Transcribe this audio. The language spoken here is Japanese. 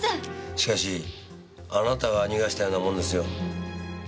しかしあなたが逃がしたようなもんですよ。